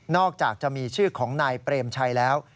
จากจะมีชื่อของนายเปรมชัยแล้ว